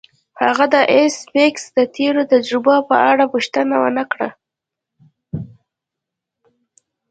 هغه د ایس میکس د تیرو تجربو په اړه پوښتنه ونه کړه